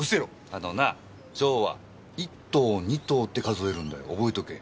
あのな蝶は１頭２頭って数えるんだよ覚えとけ。